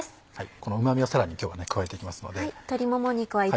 このうま味をさらに今日は加えていきますので。